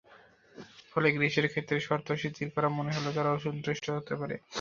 ফলে গ্রিসের ক্ষেত্রে শর্ত শিথিল করা হলে তারা অসন্তুষ্ট হতে পারে।